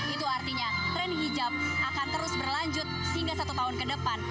itu artinya tren hijab akan terus berlanjut sehingga satu tahun ke depan